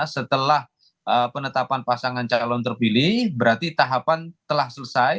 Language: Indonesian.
setelah penetapan pasangan calon terpilih berarti tahapan telah selesai